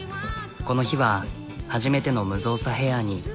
この日は初めての無造作ヘアに。